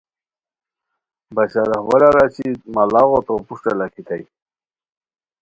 بشاراحولار اچی مڑاغو تو پروشٹہ لاکھیتائے